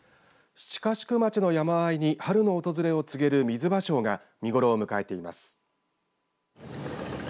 七ヶ宿町の山あいに春の訪れを告げるみずばしょうが見頃を迎えています。